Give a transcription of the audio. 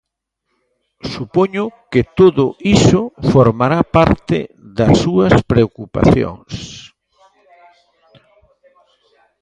Supoño que todo iso formará parte das súas preocupacións.